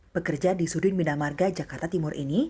pekerja di sudin bina marga jakarta timur ini